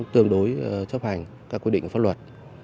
tương đối chấp hành các quy định pháp luật